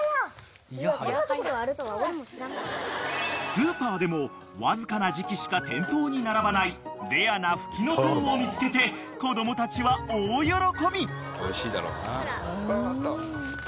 ［スーパーでもわずかな時期しか店頭に並ばないレアなフキノトウを見つけて子供たちは大喜び］